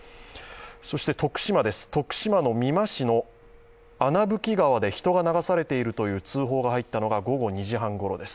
そして徳島です、徳島の美馬市の穴吹川で人が流されているという通報が入ったのが午後２時半ごろです。